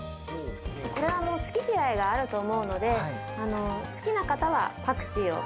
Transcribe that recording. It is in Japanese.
これは好き嫌いがあると思うので、好きな方はパクチーを。